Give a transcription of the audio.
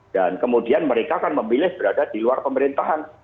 kemudian mereka akan memilih berada di luar pemerintahan